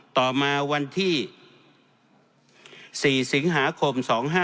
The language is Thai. ต่อมาวันที่๔สิงหาคม๒๕๕๙